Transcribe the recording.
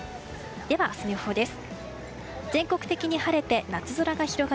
では、明日の予報です。